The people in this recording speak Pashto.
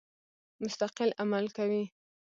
مستقل عمل کوي.